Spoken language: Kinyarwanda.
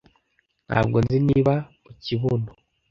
ntabwo nzi niba mu kibuno